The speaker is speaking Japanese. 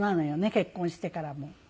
結婚してからも。